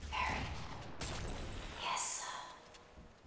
Very. "Yes, sir."